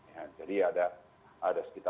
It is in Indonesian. yang terkenal adalah yang terdampak